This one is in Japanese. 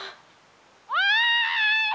おい！